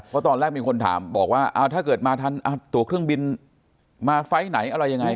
เพราะตอนแรกมีคนถามบอกว่าถ้าเกิดมาทันตัวเครื่องบินมาไฟล์ไหนอะไรยังไง